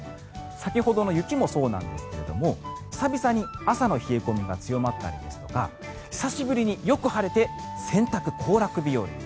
先ほどの雪もそうなんですが久々に朝の冷え込みが強まったりとか久しぶりによく晴れて洗濯行楽日和。